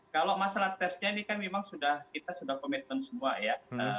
kalau masalah tesnya ini kan memang kita sudah komitmen semua ya